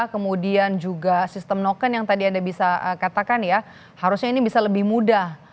kemudian juga sistem noken yang tadi anda bisa katakan ya harusnya ini bisa lebih mudah